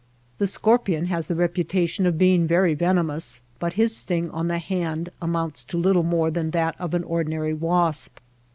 The scorpion has the reputation of being very venomous ; but his sting on the hand amounts to little more than that of an ordinary wasp.